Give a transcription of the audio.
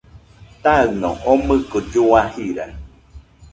Taɨno omoɨko llua jira.